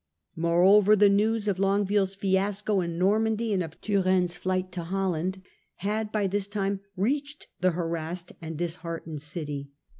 Moreover, the news of Longueville's fiasco in Normandy and of Turenne's flight to Holland had by this time reached the harassed and disheartened *„ city.